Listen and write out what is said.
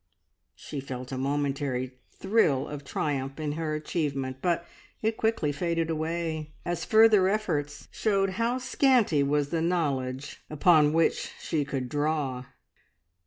She felt a momentary thrill of triumph in her achievement, but it quickly faded away, as further efforts showed how scanty was the knowledge upon which she could draw.